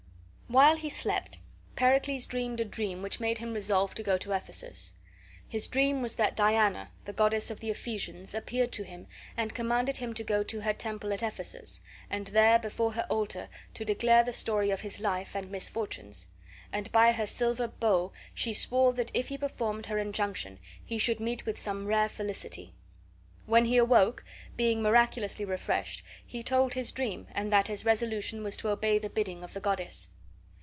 While he slept, Pericles dreamed a dream which made him resolve to go to Ephesus. His dream was that Diana, the goddess of the Ephesians, appeared to him and commanded him to go to her temple at Ephesus, and there before her altar to declare the story of his life and misfortunes; and by her silver bow she swore that if he performed her injunction he should meet with some rare felicity. When he awoke, being miraculously refreshed, he told his dream, and that his resolution was to obey the bidding of the goddess.